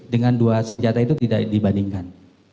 dengan dua senjata itu tidak dibandingkan